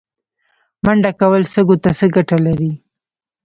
منډه کول سږو ته څه ګټه لري؟